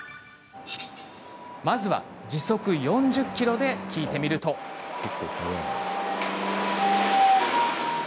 まずは時速４０キロで聞いてみます。